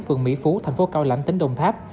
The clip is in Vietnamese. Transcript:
phường mỹ phú thành phố cao lãnh tỉnh đồng tháp